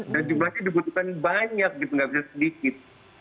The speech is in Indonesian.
nah jumlahnya dibutuhkan banyak gitu nggak bisa sedikit